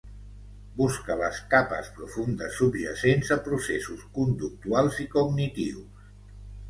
Busca les capes profundes subjacents a processos conductuals i cognitius.